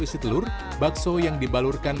isi telur bakso yang dibalurkan